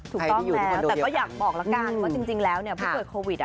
ถูกต้องแล้วแต่ก็อยากบอกละกันว่าจริงแล้วเนี่ยเพื่อเกิดโควิด